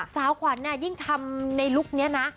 สาวขวัญน่านี่ยิ่งทำในลุคเนี่ยนะ